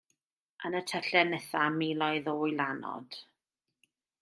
Yn y tyllau nytha miloedd o wylanod.